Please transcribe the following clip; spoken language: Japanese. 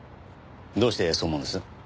どうしてそう思うんです？